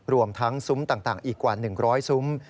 รวมทั้งซุ้มต่างอีกกว่า๑๐๐ซุ้ม